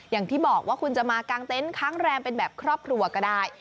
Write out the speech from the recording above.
อย่างที่บอกว่าคุณจะมากางเต็นต์ค้างแรมเป็นแบบครอบครัวก็ได้